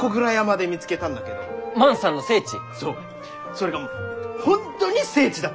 それがもう本当に聖地だった！